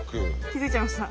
気づいちゃいました？